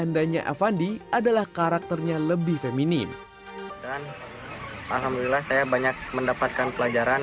andanya avandi adalah karakternya lebih feminim alhamdulillah saya banyak mendapatkan pelajaran